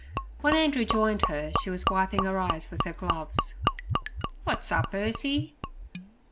When Andrew joined her she was wiping her eyes with her gloves. 'Wot's up, Ursie?'